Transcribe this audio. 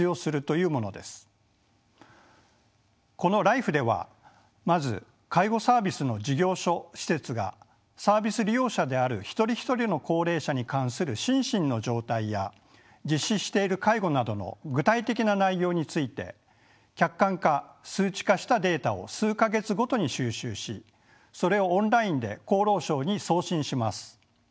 このＬＩＦＥではまず介護サービスの事業所・施設がサービス利用者である一人一人の高齢者に関する心身の状態や実施している介護などの具体的な内容について客観化数値化したデータを数か月ごとに収集しそれをオンラインで厚労省に送信します。